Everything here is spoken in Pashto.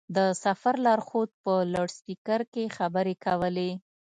د سفر لارښود په لوډسپېکر کې خبرې کولې.